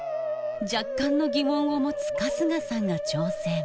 若干の疑問を持つ春日さんが挑戦